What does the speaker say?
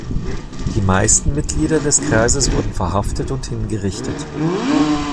Die meisten Mitglieder des Kreises wurden verhaftet und hingerichtet.